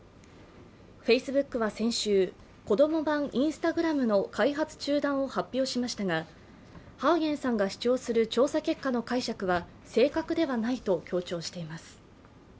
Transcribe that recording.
Ｆａｃｅｂｏｏｋは先週、子供版Ｉｎｓｔａｇｒａｍの開発中断を発表しましたが、ハウゲンさんが主張する調査結果の解釈は正確ではないと強調しています。